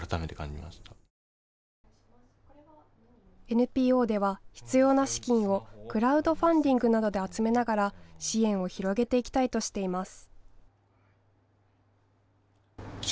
ＮＰＯでは必要な資金をクラウドファンディングなどで集めながら支援を広げていきたいとしています。